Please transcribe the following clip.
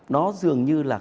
nó dường như là